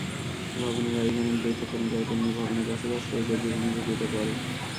ভবনের আয়ু যেমন দ্রুত কমে যায়, তেমনি ভবনে বসবাসকারীদের জীবনও ঝুঁকিতে পড়ে।